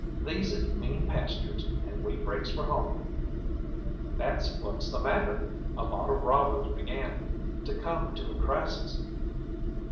These is mean pastures, and we breaks for home." "That's what's the matter!" A lot of robbers began to come to a crisis.